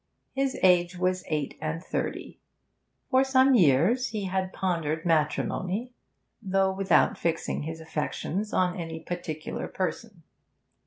His age was eight and thirty. For some years he had pondered matrimony, though without fixing his affections on any particular person.